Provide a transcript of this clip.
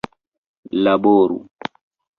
laboru